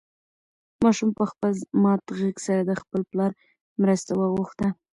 ماشوم په خپل مات غږ سره د خپل پلار مرسته وغوښته.